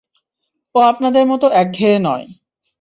ও আপনাদের মত একঘেঁয়ে নয়।